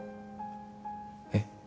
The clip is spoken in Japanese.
えっ？